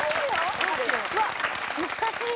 うわっ難しい？